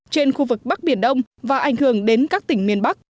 trên khu vực bắc biển đông và ảnh hưởng đến các tỉnh miền bắc